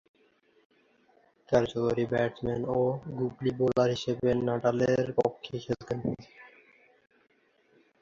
কার্যকরী ব্যাটসম্যান ও googly bowler হিসেবে নাটালের পক্ষে খেলতেন।